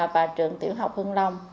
và trường tiểu học hưng long